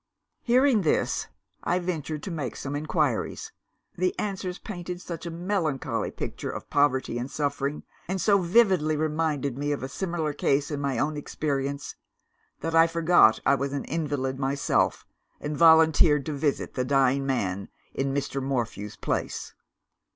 "Hearing this, I ventured to make some inquiries. The answers painted such a melancholy picture of poverty and suffering, and so vividly reminded me of a similar case in my own experience, that I forgot I was an invalid myself, and volunteered to visit the dying man in Mr. Morphew's place.